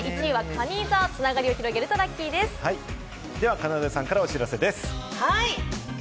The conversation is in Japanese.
かなでさんからお知らせです。